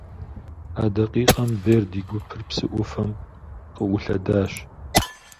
А дакъикъэм Берд и гупыр псы ӏуфэм къыӏулъэдащ.